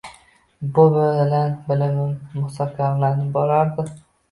Bu bilan bilimim mustahkamlanib borardi